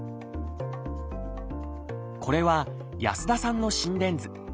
これは安田さんの心電図。